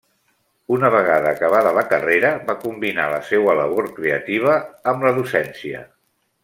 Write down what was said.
Una vegada acabada la carrera, va combinar la seua labor creativa amb la docència.